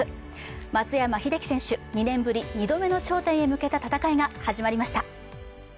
松山英樹選手、２年ぶり２度目の頂点へ向けた戦いが始まりました。